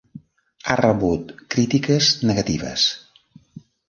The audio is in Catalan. Ha rebut crítiques negatives.